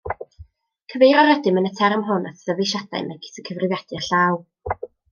Cyfeirio rydym yn y term hwn at ddyfeisiadau megis y cyfrifiadur llaw.